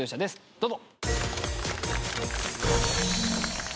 どうぞ。